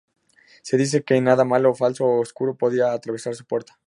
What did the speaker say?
Se dice que nada malo, falso u oscuro podía atravesar su puerta.